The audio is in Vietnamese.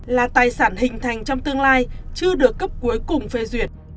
là tài sản hình thành trong tương lai chưa được cấp cuối cùng phê duyệt